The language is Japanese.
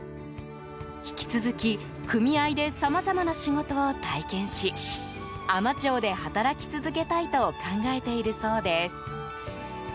引き続き組合でさまざまな仕事を体験し海士町で働き続けたいと考えているそうです。